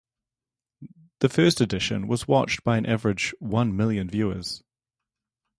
The first edition was watched by an average one million viewers.